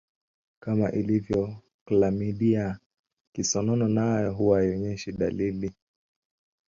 Kama ilivyo klamidia kisonono nayo huwa haionyeshi dalili